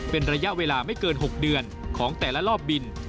เป็นระยะเวลาไม่เกิน๖เดือนของแต่ละรอบบิน